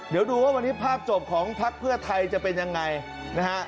เดี๋ยวดูว่าวันนี้ภาพจบของพักเพื่อไทยจะเป็นยังไงนะฮะ